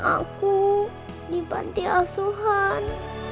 aku di pantai asukan